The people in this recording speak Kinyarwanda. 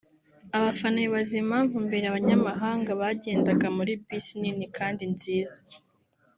Abafana bibaza impamvu mbere abanyamahanga bagendaga muri bisi nini kandi nziza